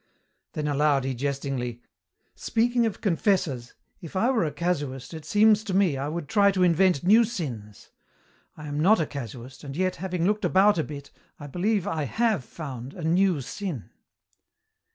Then aloud he jestingly, "Speaking of confessors, if I were a casuist it seems to me I would try to invent new sins. I am not a casuist, and yet, having looked about a bit, I believe I have found a new sin."